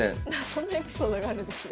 そんなエピソードがあるんですね。